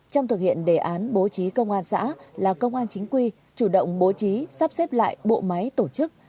trong thực hiện đề án bố trí công an xã là công an chính quy chủ động bố trí sắp xếp lại bộ máy tổ chức